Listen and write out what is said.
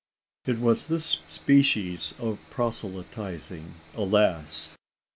It was this species of proselytising alas!